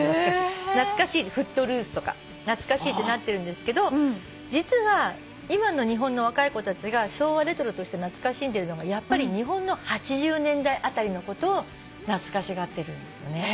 『フットルース』とか懐かしいってなってるんですけど実は今の日本の若い子たちが「昭和レトロ」として懐かしんでるのがやっぱり日本の８０年代あたりのことを懐かしがってるのね。